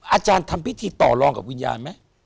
อาจารย์ทำพิธีต่อรองกับวิญญาณไหม